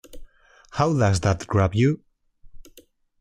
How Does That Grab You?